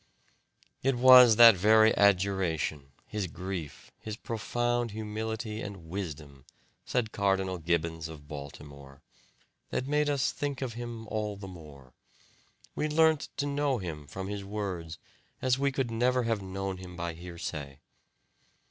"It was that very adjuration, his grief, his profound humility and wisdom," said Cardinal Gibbons of Baltimore, "that made us think of him all the more; we learnt to know him from his words as we could never have known him by hearsay."